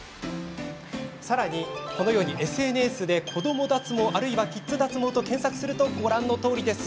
さらにＳＮＳで、子ども脱毛あるいはキッズ脱毛と検索するとご覧のとおりです。